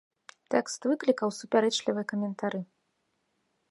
Тэкст выклікаў супярэчлівыя каментары.